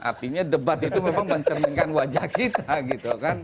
artinya debat itu memang mencerminkan wajah kita gitu kan